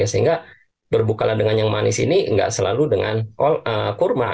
sehingga berbuka ladang yang manis ini gak selalu dengan kurma